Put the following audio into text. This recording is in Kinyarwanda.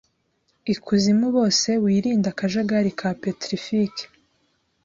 ikuzimubose wirinde akajagari ka petrific